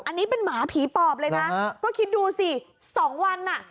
อันนี้เป็นหมาผีปอบเลยนะก็คิดดูสิสองวันอ่ะ